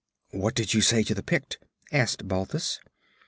'What did you say to the Pict?' asked Balthus.